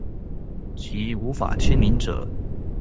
其無法簽名者